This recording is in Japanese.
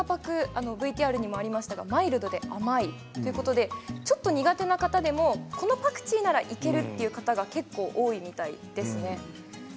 岡パク、マイルドで甘いということでちょっと苦手な方でもこのパクチーならいけるという方が結構多いみたいですね。